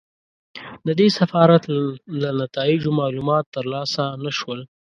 د دې سفارت له نتایجو معلومات ترلاسه نه شول.